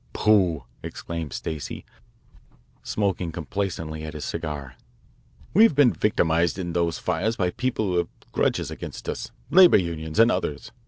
"Pooh!" exclaimed Stacey, smoking complacently at his cigar. "We have been victimised in those fires by people who have grudges against us, labour unions and others.